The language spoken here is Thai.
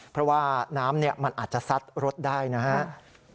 เพราะว่าน้ำมันอาจจะซัดรถได้นะครับ